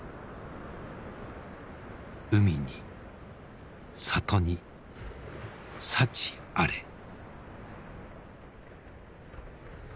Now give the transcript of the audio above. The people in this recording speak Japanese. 海に里に幸あれ。